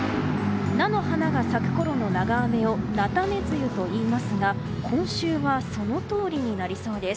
菜の花が咲くころの長雨を菜種梅雨といいますが今週はそのとおりになりそうです。